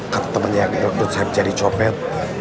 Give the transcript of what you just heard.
kata temannya yang dikontrol saeb jadi copet